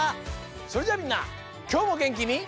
それじゃあみんなきょうもげんきに。